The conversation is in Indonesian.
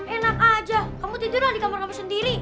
enak aja kamu tidur aja di kamar kamu sendiri